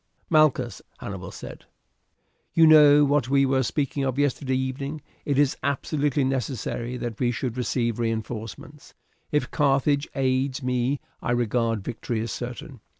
"Malchus," Hannibal said, "you know what we were speaking of yesterday evening. It is absolutely necessary that we should receive reinforcements. If Carthage aids me I regard victory as certain.